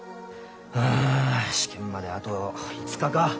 ああ試験まであと５日か。